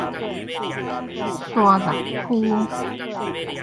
沙鹿區